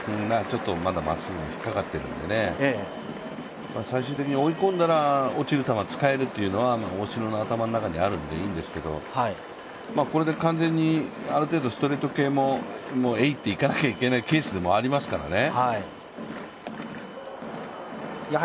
まだまっすぐ、引っかかってるんで、落ちる球を使えるというのは大城の頭の中にあるのでいいんですけどこれで完全にある程度、ストレート系もエイッていかないといけないケースでもありますからね。